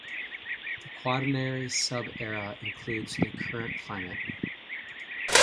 The Quaternary sub-era includes the current climate.